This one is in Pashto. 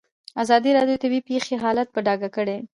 ازادي راډیو د طبیعي پېښې حالت په ډاګه کړی.